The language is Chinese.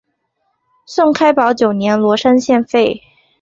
宋开宝九年罗山县废。